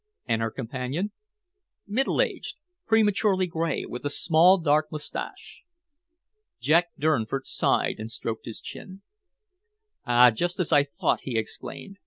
"And her companion?" "Middle aged, prematurely gray, with a small dark mustache." Jack Durnford sighed and stroked his chin. "Ah! Just as I thought," he exclaimed.